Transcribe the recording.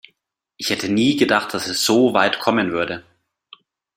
Ich hätte nie gedacht, dass es so weit kommen würde.